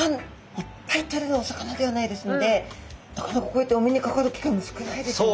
いっぱいとれるお魚ではないですのでなかなかこうやってお目にかかる機会も少ないですよね。